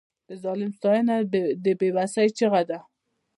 د ظالم ستاینه د بې وسۍ چیغه ده.